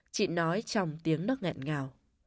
chị nói trong tiếng nước ngẹn ngào